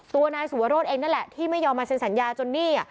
ตัวนายสุวรสเองนั่นแหละที่ไม่ยอมมาเซ็นสัญญาจนหนี้